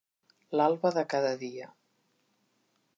L'alba de cada dia.